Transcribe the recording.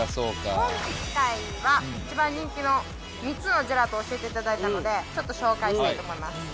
今回は１番人気の３つのジェラートを教えていただいたのでちょっと紹介したいと思います。